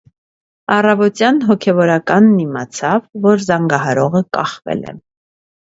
Առավոտյան հոգևորականն իմացավ, որ զանգահարողը կախվել է։